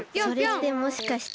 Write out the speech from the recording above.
それってもしかして。